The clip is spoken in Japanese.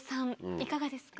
いかがですか？